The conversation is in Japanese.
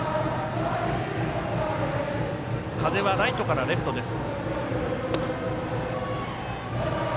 風はライトからレフトです。